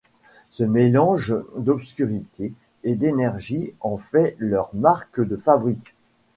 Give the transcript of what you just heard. Ce mélange d'obscurité et d'énergie en fait leur marque de fabrique.